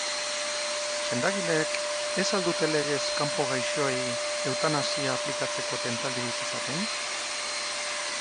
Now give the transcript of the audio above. Sendagileek ez al dute legez kanpo gaixoei eutanasia aplikatzeko tentaldirik izaten?